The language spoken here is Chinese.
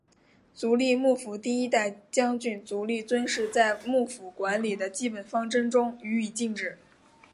足利幕府第一代将军足利尊氏在幕府管理的基本方针中予以禁止。